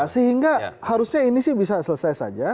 sehingga harusnya ini sih bisa selesai saja